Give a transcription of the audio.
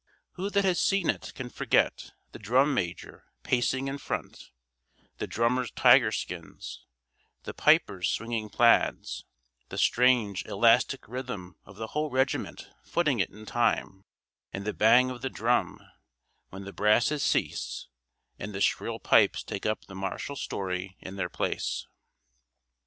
Who that has seen it can forget the drum major pacing in front, the drummers' tiger skins, the pipers' swinging plaids, the strange elastic rhythm of the whole regiment footing it in time—and the bang of the drum, when the brasses cease, and the shrill pipes take up the martial story in their place?